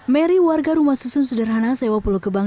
mary warga rumah susun sederhana sewa pulau gebang